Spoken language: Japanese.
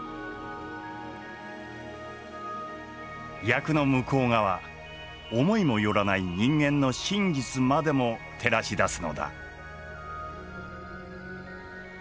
役の向こう側思いも寄らない人間の真実までも照らし出すのだ。